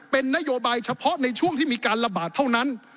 เป็นนโยบายเฉพาะในช่วงที่มีการระบาดเท่านั้น